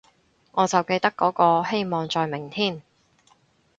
我就記得嗰個，希望在明天